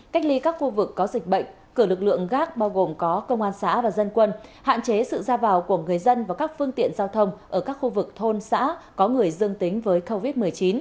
cách ly các khu vực có dịch bệnh cử lực lượng gác bao gồm có công an xã và dân quân hạn chế sự ra vào của người dân và các phương tiện giao thông ở các khu vực thôn xã có người dương tính với covid một mươi chín